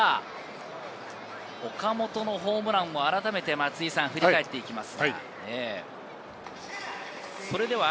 岡本のホームランをあらためて振り返っていきます。